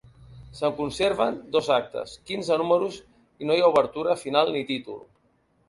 Se'n conserven dos actes, quinze números, i no hi ha obertura, final ni títol.